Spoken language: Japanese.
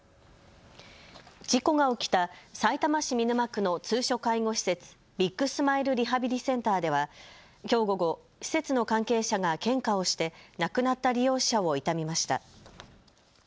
事故が起きたさいたま市見沼区の通所介護施設、ビッグスマイルリハビリセンターではきょう午後、施設の関係者が献花をして亡くなった利用者を悼みました。